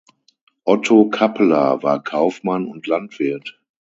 Otto Kappeler war Kaufmann und Landwirt.